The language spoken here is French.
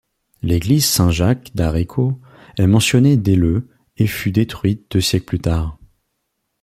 L'église Saint-Jacques, d'Arricau, est mentionnée dès le et fut détruite deux siècles plus tard.